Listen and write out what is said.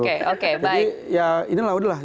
jadi ya ini lah udah lah